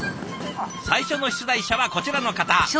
最初の出題者はこちらの方。